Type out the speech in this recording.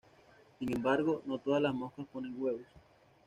Sin embargo, no todas las moscas ponen huevos.